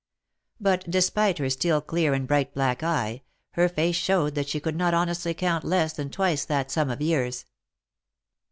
But despite her still clear and bright black eye, her face showed that she could not honestly count less than twice that sum of years.